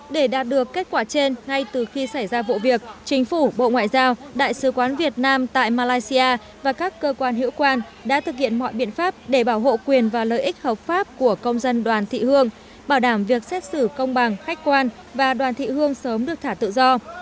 để đạt được kết quả trên ngay từ khi xảy ra vụ việc chính phủ bộ ngoại giao đại sứ quán việt nam tại malaysia và các cơ quan hữu quan đã thực hiện mọi biện pháp để bảo hộ quyền và lợi ích hợp pháp của công dân đoàn thị hương bảo đảm việc xét xử công bằng khách quan và đoàn thị hương sớm được thả tự do